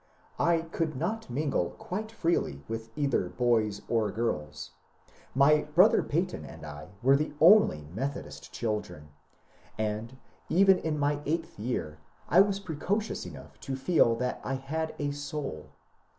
I could not mingle quite freely with either boys or girls. My brother Peyton and I were the only Methodist children, and even in my eighth year I was precocious enough to feel that I had a soul.